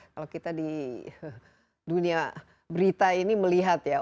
kalau kita di dunia berita ini melihat ya